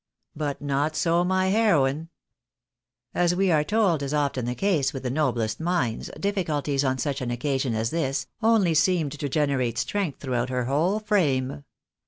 But not so my heroine. As we are told is often the case with the noblest minds, difiiculties on such an occasion as this, only seemed to generate" strength throughout her whole frame.